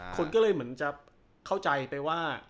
คนก็เลยเหมือนจะเข้าใจไปว่า